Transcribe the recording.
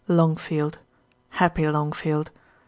Longfield! happy Longfield!